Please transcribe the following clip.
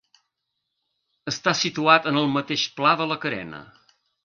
Està situat en el mateix pla de la carena.